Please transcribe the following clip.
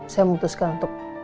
saya memutuskan untuk